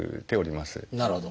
なるほど。